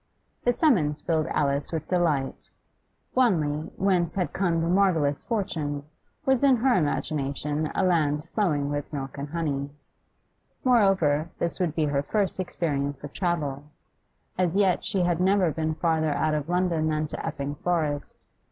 The summons filled Alice with delight. Wanley, whence had come the marvellous fortune, was in her imagination a land flowing with milk and honey. Moreover, this would be her first experience of travel; as yet she had never been farther out of London than to Epping Forest.